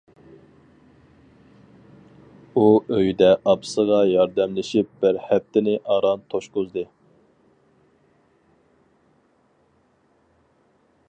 ئۇ ئۆيىدە ئاپىسىغا ياردەملىشىپ بىر ھەپتىنى ئاران توشقۇزدى.